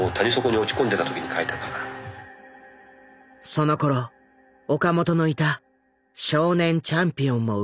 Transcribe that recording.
そのころ岡本のいた「少年チャンピオン」も売り上げが低迷。